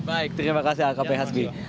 baik terima kasih pak pak hasbi